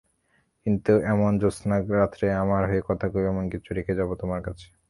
কিন্তু এমন জ্যোৎস্নারাত্রে আমার হয়ে কথা কইবে এমন কিছু রেখে যাব তোমার কাছে।